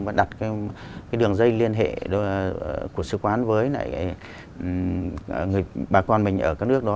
và đặt cái đường dây liên hệ của sứ quán với lại bà con mình ở các nước đó